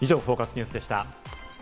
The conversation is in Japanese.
ニュースでした。